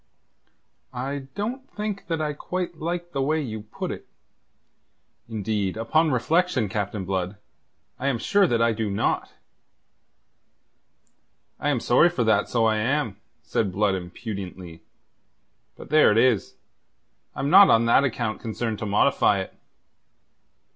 "I don't think that I quite like the way you put it. Indeed, upon reflection, Captain Blood, I am sure that I do not." "I am sorry for that, so I am," said Blood impudently. "But there it is. I'm not on that account concerned to modify it."